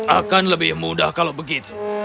akan lebih mudah kalau begitu